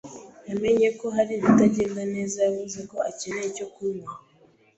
yamenye ko hari ibitagenda neza. yavuze ko akeneye icyo kunywa.